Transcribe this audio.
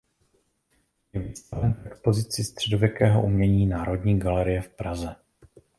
Je vystaven v expozici středověkého umění Národní galerie v Praze.